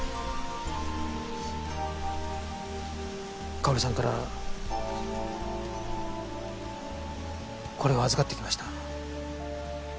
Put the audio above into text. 佳保里さんからこれを預かってきました。